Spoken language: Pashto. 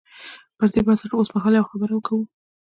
پر دې بنسټ اوسمهال یوه خبره کوو.